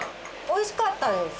おいしかったです。